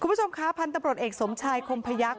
คุณผู้ชมคะพันธุ์ตำรวจเอกสมชายคงพยักษ